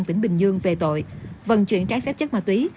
tỉnh bình dương về tội vận chuyển trái phép chất ma túy